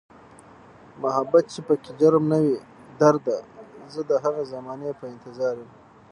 محبت چې پکې جرم نه وي درده، زه د هغې زمانې په انتظاریم